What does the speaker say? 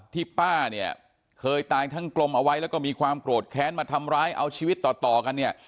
ที่ป้าเนี่ยเคยตายทั้งกลมเอาไว้แล้วก็มีความโกรธแค้นมาทำร้ายเอาชีวิตต่อต่อกันเนี่ย